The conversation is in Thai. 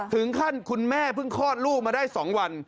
ถึงขั้นคุณแม่เพิ่งคลอดลูกมาได้สองวัน